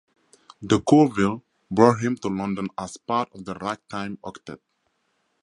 Decourville brought him to London as part of The Ragtime Octet.